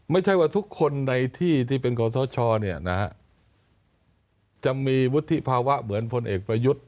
ไม่ใช่ว่าทุกคนในที่ที่เป็นขอสชจะมีวุฒิภาวะเหมือนพลเอกประยุทธ์